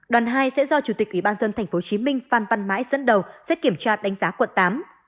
đoàn hai sẽ do chủ tịch ủy ban dân tp hcm phan văn mãi dẫn đầu sẽ kiểm tra đánh giá quận tám